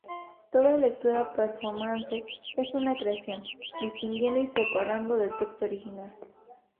Toda lectura performance es una creación, distinguiendo y separando del texto original.